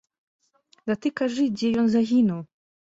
Да ты кажы, дзе ён загінуў!